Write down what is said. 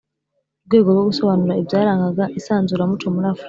rwego rwo gusobanura ibyarangaga isanzuramuco muri Afurika